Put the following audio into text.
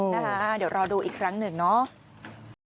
นะคะเดี๋ยวรอดูอีกครั้งหนึ่งเนาะ